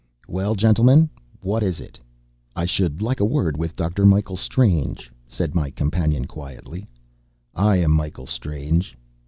"Well, gentlemen? What is it?" "I should like a word with Dr. Michael Strange," said my companion quietly. "I am Michael Strange."